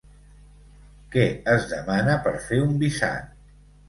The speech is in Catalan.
Què es demana per fer un visat?